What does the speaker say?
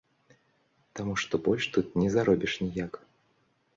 Таму што больш тут не заробіш ніяк.